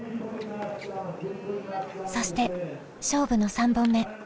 そして勝負の３本目。